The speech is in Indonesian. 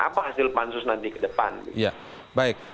apa hasil pansus nanti ke depan